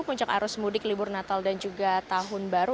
puncak arus mudik libur natal dan juga tahun baru